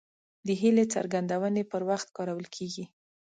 د هیلې څرګندونې پر وخت کارول کیږي.